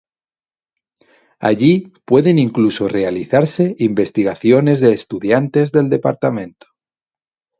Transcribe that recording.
Allí pueden incluso realizarse investigaciones de estudiantes del departamento.